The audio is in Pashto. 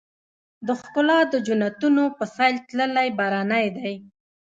د ښــــــــکلا د جنــــــتونو په ســـــــېل تللـــــــی برنی دی